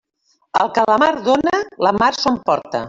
El que la mar dóna, la mar s'ho emporta.